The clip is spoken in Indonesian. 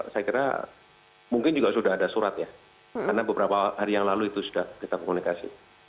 saya kira mungkin juga sudah ada surat ya karena beberapa hari yang lalu itu sudah kita komunikasi